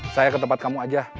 saya ke tempat kamu aja